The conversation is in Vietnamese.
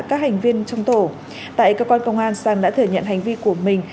trong tổ tại cơ quan công an sang đã thừa nhận hành vi của mình